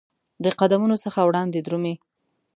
د قدمونو څخه وړاندي درومې